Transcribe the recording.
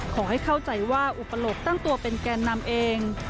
ขอให้เข้าใจว่าอุปโลกตั้งตัวเป็นแกนนำเอง